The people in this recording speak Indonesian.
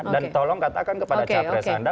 dan tolong katakan kepada capres anda